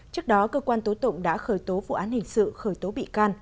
trước đó cơ quan tố tụng đã khởi tố vụ án hình sự khởi tố bị can